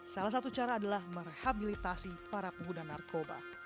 salah satu cara adalah merehabilitasi para pengguna narkoba